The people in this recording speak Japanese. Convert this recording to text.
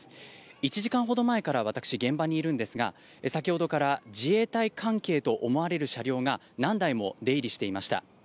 １時間ほど前から私、現場にいるんですが先ほどから自衛隊関係と思われる車両が何台も出入りしていました。